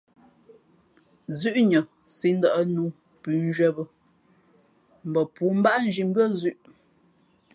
Zʉ́ʼnʉα sī ndα̌ʼ nǔ pʉ̌nzhwīē bᾱ, bᾱ pōōmbáʼ zhī mbʉ́ά zʉ̄ʼ.